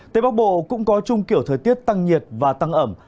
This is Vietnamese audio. tây bắc bộ cũng có chung kiểu thời tiết tăng nhiệt và tăng ẩm